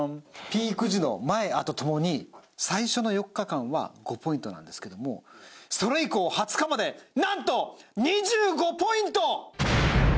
ピーク時の前・後ともに最初の４日間は５ポイントなんですけどもそれ以降２０日までなんと２５ポイント！